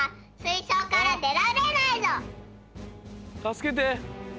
たすけて！